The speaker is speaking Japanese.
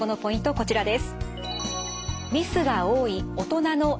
こちらです。